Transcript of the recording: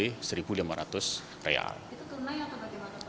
itu tunai atau bagaimana